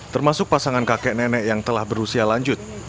termasuk pasangan kakek nenek yang telah berusia lanjut